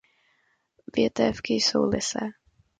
Větévky jsou lysé.